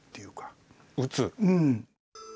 うん。